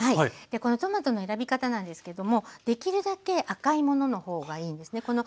このトマトの選び方なんですけどもできるだけ赤いものの方がいいんですね。